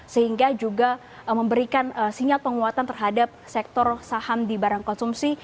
sehingga juga memberikan sinyal penguatan terhadap sektor saham di barang konsumsi